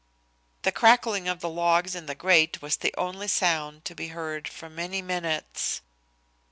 The crackling of the logs in the grate was the only sound to be heard for many minutes.